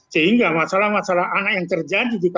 sehingga masalah masalah anak yang terjadi itu bisa dikawal